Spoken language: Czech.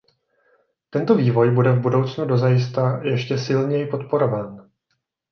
Tento vývoj bude v budoucnu dozajista ještě silněji podporován.